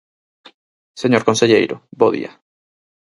Señor conselleiro, bo día.